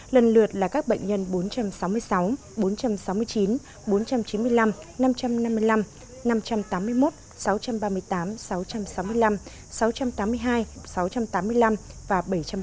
lần lượt là các bệnh nhân bốn trăm sáu mươi sáu bốn trăm sáu mươi chín bốn trăm chín mươi năm năm trăm năm mươi năm năm trăm tám mươi một sáu trăm ba mươi tám sáu trăm sáu mươi năm sáu trăm tám mươi hai sáu trăm tám mươi năm và bảy trăm ba mươi